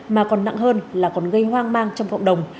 mà còn nặng hơn là còn gây hoang mang trong cộng đồng